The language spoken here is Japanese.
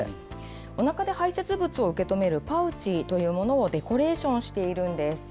おなかで排せつ物を受け止めるパウチというものをデコレーションしているんです。